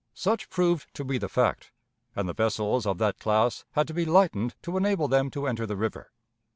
Such proved to be the fact, and the vessels of that class had to be lightened to enable them to enter the river.